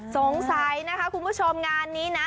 สงสัยนะคะคุณผู้ชมงานนี้นะ